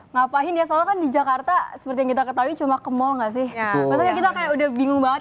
ngapain ya soal kan di jakarta seperti kita ketahui cuma kemau nggak sih udah bingung banget